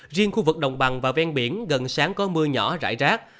riêng khu vực đồng bằng và ven biển gần sáng có mưa nhỏ rải rác